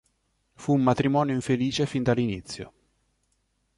Fu un matrimonio infelice fin dall'inizio.